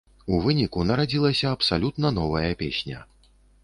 У выніку нарадзілася абсалютна новая песня.